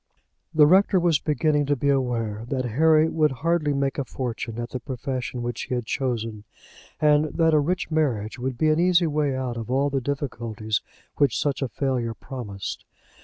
The rector was beginning to be aware that Harry would hardly make a fortune at the profession which he had chosen, and that a rich marriage would be an easy way out of all the difficulties which such a failure promised.